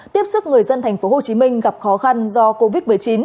tiếp xúc người dân thành phố hồ chí minh gặp khó khăn do covid một mươi chín